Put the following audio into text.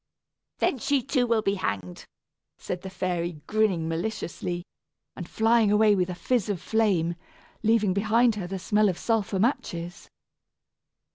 "Then she, too, will be hanged," said the fairy, grinning maliciously, and flying away with a fizz of flame, leaving behind her the smell of sulphur matches.